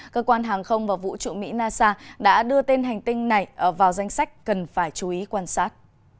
cơ quan hàng không và vũ trụ mỹ nasa đã đưa tên hành tinh này vào danh sách cần phải chú ý quan sát